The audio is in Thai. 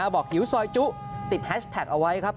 หิวซอยจุติดแฮชแท็กเอาไว้ครับ